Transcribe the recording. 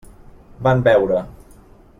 Van beure.